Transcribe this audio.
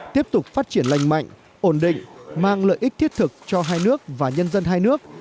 tiếp tục phát triển lành mạnh ổn định mang lợi ích thiết thực cho hai nước và nhân dân hai nước